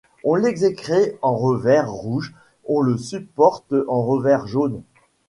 On l’exécrait en revers rouge, on le supporte en revers jaune.